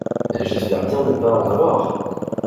Mais j’espère bien ne pas en avoir !